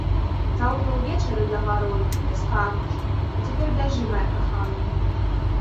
Заўтра ўвечары за гарой ты мне скажаш, а цяпер бяжы, мая каханая!